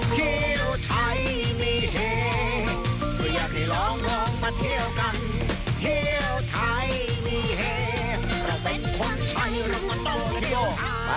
เที่ยวไทยมีแฮ